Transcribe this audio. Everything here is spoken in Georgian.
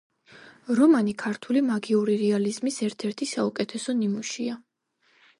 რომანი ქართული მაგიური რეალიზმის ერთ-ერთი საუკეთესო ნიმუშია.